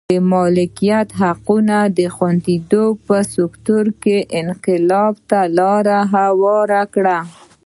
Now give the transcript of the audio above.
د مالکیت حقونو خوندیتوب په سکتور کې انقلاب ته لار هواره کړه.